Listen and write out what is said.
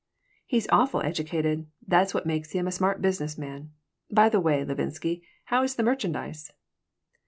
He's awful educated. That's what makes him such a smart business man. By the way, Levinsky, how is the merchandise?"